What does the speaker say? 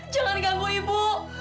jangan ganggu ibu